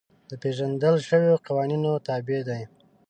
د پېژندل شویو قوانینو تابع دي.